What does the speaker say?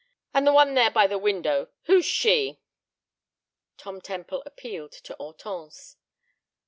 And the one there by the window, who's she?" Tom Temple appealed to Hortense.